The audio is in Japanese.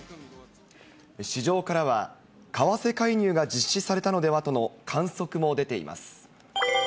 市場からは、為替介入が実施されたのではとの観測も出ています。